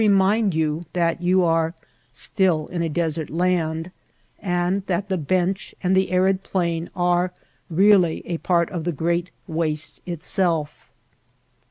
mind you that you are still in a desert land, and that the bench and the arid plain are really a part of the great waste itself.